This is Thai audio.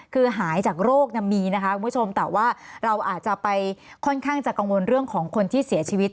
คือหายจากโรคมีนะคะคุณผู้ชมแต่ว่าเราอาจจะไปค่อนข้างจะกังวลเรื่องของคนที่เสียชีวิต